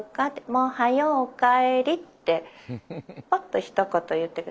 もうはようお帰り」ってぱっとひと言言ってくれる。